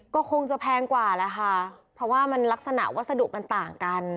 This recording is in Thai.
ก็คงจะแพงกว่าแหละค่ะเพราะว่ามันลักษณะวัสดุมันต่างกัน